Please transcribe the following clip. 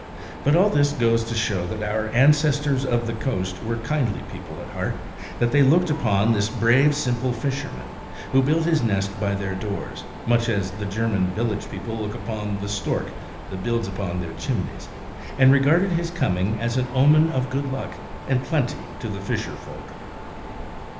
But all this goes to show that our ancestors of the coast were kindly people at heart; that they looked upon this brave, simple fisherman, who built his nest by their doors, much as the German village people look upon the stork that builds upon their chimneys, and regarded his coming as an omen of good luck and plenty to the fisher folk.